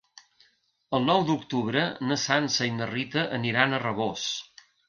El nou d'octubre na Sança i na Rita aniran a Rabós.